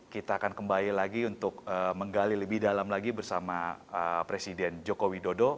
kita akan kembali lagi untuk menggali lebih dalam lagi bersama presiden joko widodo